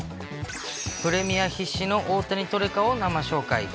プレミア必至の大谷トレカを生紹介。